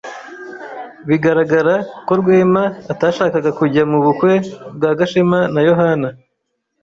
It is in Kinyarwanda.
Biragaragara ko Rwema atashakaga kujya mu bukwe bwa Gashema na Yohana.